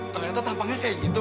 ternyata tampangnya kayak gitu